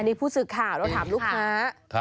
นี่ผู้สื่อข่าวเราถามลูกค้า